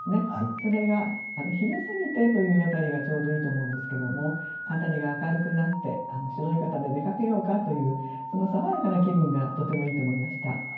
それが「昼過ぎて」という辺りがちょうどいいと思うんですけども辺りが明るくなって白浴衣で出かけようかというその爽やかな気分がとてもいいと思いました。